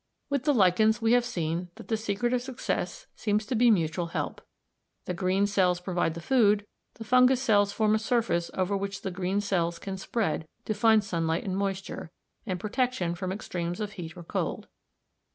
With the lichens we have seen that the secret of success seems to be mutual help. The green cells provide the food, the fungus cells form a surface over which the green cells can spread to find sunlight and moisture, and protection from extremes of heat or cold.